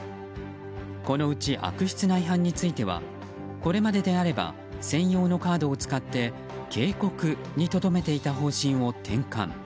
このうち、悪質な違反についてはこれまでであれば専用のカードを使って警告にとどめていた方針を転換。